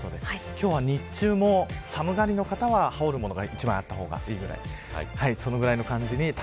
今日は日中も寒がりの方は、羽織るものが１枚あるといいです。